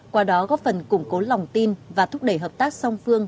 qua đó góp phần củng cố lòng tin và thúc đẩy hợp tác song phương